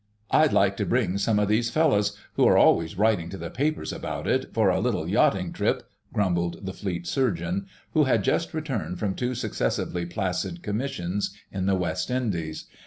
I'd like to bring some of these fellows, who are always writing to the papers about it, for a little yachting trip," grumbled the Fleet Surgeon, who had just returned from two successively placid commissions in the West Indies.